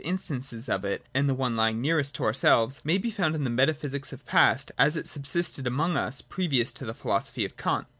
6 1 instances of it, and one lying nearest to ourselves, may be found in the Metaphysic of the Past as it subsisted among us previous to the philosophy of Kant.